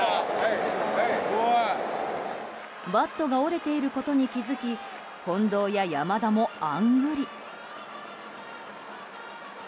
バットが折れていることに気づき近藤や山田も、あんぐり。